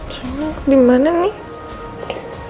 senyuman dimana nih